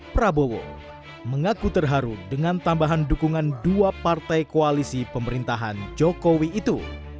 prabowo mengaku terharu dengan tambahan dukungan dua partai koalisi pemerintahan jokowi itu